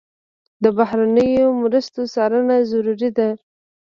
د بهرنیو مرستو څارنه ضروري ده.